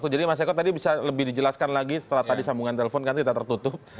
jadi mas eko tadi bisa lebih dijelaskan lagi setelah tadi sambungan telepon kan kita tertutup